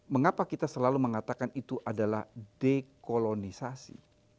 mengapa kita selalu mengatakan itu adalah dekolonisasi